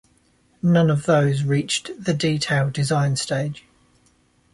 None of those reached the detail design stage.